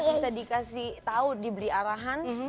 dia bisa dikasih tau diberi arahan